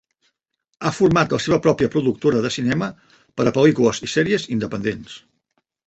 Ha format la seva pròpia productora de cinema per a pel·lícules i sèries independents.